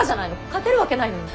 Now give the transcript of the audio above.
勝てるわけないのに。